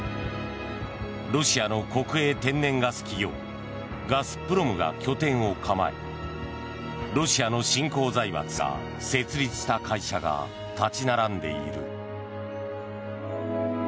ロシアの国営天然ガス企業ガスプロムが拠点を構えロシアの新興財閥が設立した会社が立ち並んでいる。